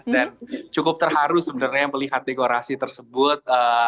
dan cukup terharu sebenarnya melihat dekorasi tersebut